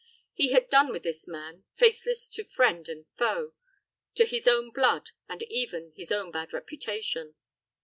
He had done with this man, faithless to friend and foe, to his own blood, and even to his own bad reputation.